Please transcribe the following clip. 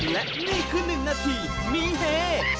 และนี่คือ๑นาทีมีเฮ